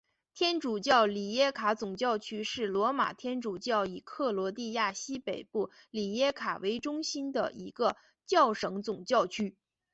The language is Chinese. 天主教里耶卡总教区是罗马天主教以克罗地亚西北部里耶卡为中心的一个教省总教区。